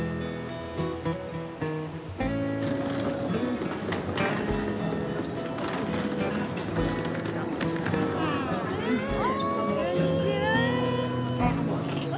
こんにちは。